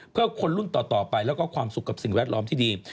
เพื่อคนรุ่นต่อไปแล้วก็ความสุขกับสิ่งแวดล้อมที่ดี